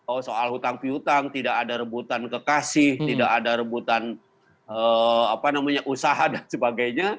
oh soal hutang pihutang tidak ada rebutan kekasih tidak ada rebutan usaha dan sebagainya